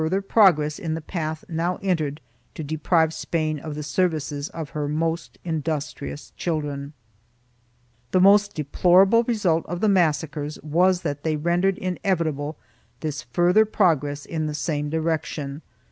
Ill] EFFECTS OF THE MASSACRES HI progress in the path now entered to deprive Spain of the services of her most industrious children. The most deplorable result of the massacres was that they rendered inevitable this further progress in the same direction.